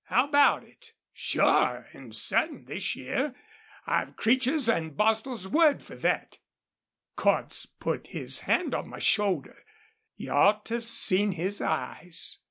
How about it?' 'Sure an' certain this year. I've Creech's an' Bostil's word for thet.' Cordts put his hand on my shoulder. You ought to 've seen his eyes!...'